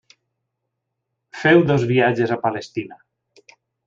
Feu dos viatges a Palestina.